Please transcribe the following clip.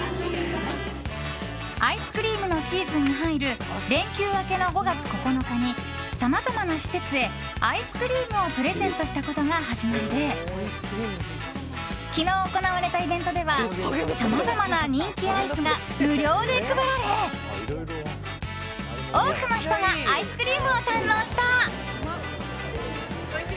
アイスクリームのシーズンに入る連休明けの５月９日にさまざまな施設へアイスクリームをプレゼントしたことが始まりで昨日、行われたイベントではさまざまな人気アイスが無料で配られ多くの人がアイスクリームを堪能した。